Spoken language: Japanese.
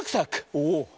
おお！